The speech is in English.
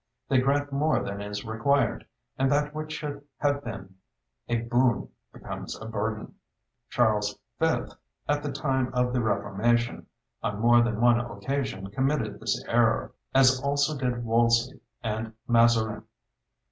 They grant more than is required, and that which should have been a boon becomes a burden. Charles V, at the time of the Reformation, on more than one occasion committed this error, as also did Wolsey and Mazarin.